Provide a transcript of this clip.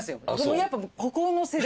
やっぱここの世代ですよ。